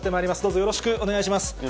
よろしくお願いします。